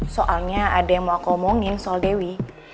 soalnya ada yang mau aku omongin soal dewi